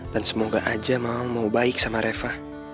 dan semoga aja mama mau baik sama reva